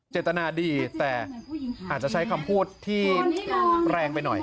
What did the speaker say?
เจตนาดีแต่อาจจะใช้คำพูดที่แรงไปหน่อย